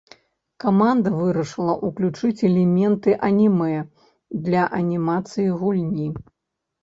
Каманда вырашыла ўключыць элементы анімэ для анімацыі гульні.